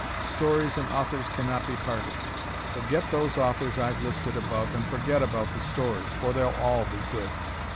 Stories and authors cannot be parted, so get those authors I've listed above and forget about the stories, for they'll all be good.